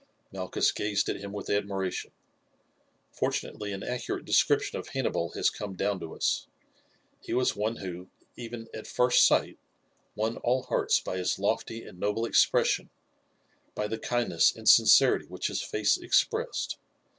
Malchus gazed at him with admiration. Fortunately an accurate description of Hannibal has come down to us. He was one who, even at first sight, won all hearts by his lofty and noble expression, by the kindness and sincerity which his face expressed.